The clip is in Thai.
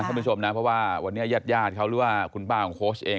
เพราะว่าวันนี้ญาติยาดเขาหรือว่าคุณป้าของโค้ชเอง